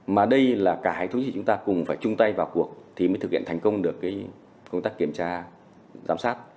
mà đây là cả hệ thống gì chúng ta cùng phải chung tay vào cuộc thì mới thực hiện thành công được công tác kiểm tra giám sát